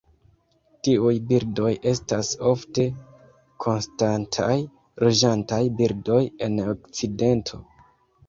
Tiuj birdoj estas ofte konstantaj loĝantaj birdoj en okcidento.